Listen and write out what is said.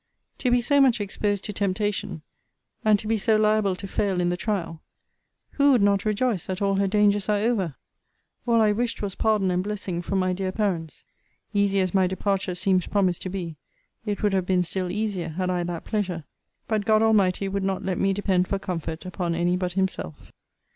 To be so much exposed to temptation, and to be so liable to fail in the trial, who would not rejoice that all her dangers are over? All I wished was pardon and blessing from my dear parents. Easy as my departure seems promised to be, it would have been still easier, had I that pleasure. BUT GOD ALMIGHTY WOULD NOT LET ME DEPEND FOR COMFORT UPON ANY BUT HIMSELF.